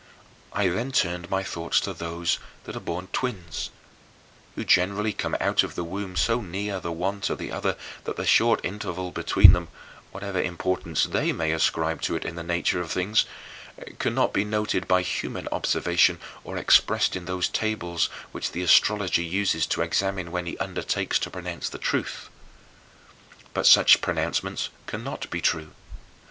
I then turned my thoughts to those that are born twins, who generally come out of the womb so near the one to the other that the short interval between them whatever importance they may ascribe to it in the nature of things cannot be noted by human observation or expressed in those tables which the astrologer uses to examine when he undertakes to pronounce the truth. But such pronouncements cannot be true.